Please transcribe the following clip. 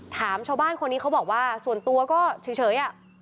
ถามชาวบ้านคนนี้เขาบอกว่าส่วนตัวก็เฉย